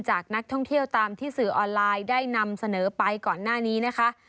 จากนักท่องเที่ยวตามที่สื่อออนไลน์ได้นำเสนอไปก่อนหน้านี้นะคะ